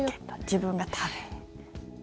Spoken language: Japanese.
自分が食べる。